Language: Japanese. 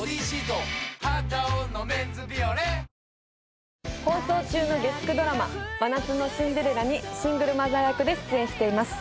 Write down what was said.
「肌男のメンズビオレ」放送中の月９ドラマ『真夏のシンデレラ』にシングルマザー役で出演しています。